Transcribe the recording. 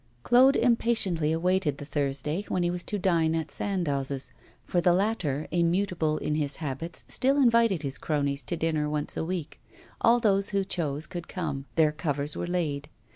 Claude impatiently awaited the Thursday when he was to dine at Sandoz's, for the latter, immutable in his habits, still invited his cronies to dinner once a week. All those who chose could come, their covers were laid.